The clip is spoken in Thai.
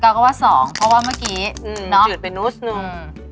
๙ก็ว่า๒เพราะว่าเมื่อกี้เนอะอืมจืดเปรียนนู้น